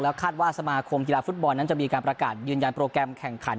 คาดว่าสมาคมกีฬาฟุตบอลนั้นจะมีการประกาศยืนยันโปรแกรมแข่งขัน